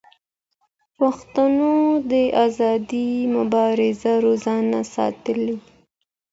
پښتنو د آزادۍ مبارزه روانه ساتلې.